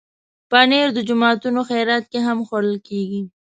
پنېر د جوماتونو خیرات کې هم خوړل کېږي.